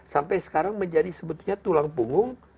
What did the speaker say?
sampai sekarang menjadi sebetulnya tulang punggung